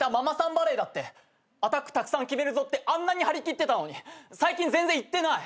バレーだってアタックたくさん決めるぞってあんなに張り切ってたのに最近全然いってない。